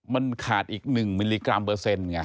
มันขาดอีก๑มิลลิกรัมเปอร์เซ็นต์ไง